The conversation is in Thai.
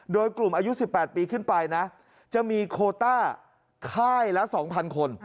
โดยกลุ่มอายุ๑๘ปีขึ้นไปนะจะมีโคต้าค่ายละ๒๐๐คน